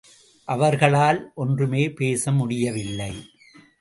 அவர்களால் ஒன்றுமே பேச முடியவில்லை.